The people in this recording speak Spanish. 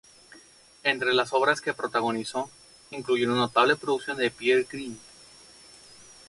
Entre las obras que protagonizó, incluyó una notable producción de Peer Gynt.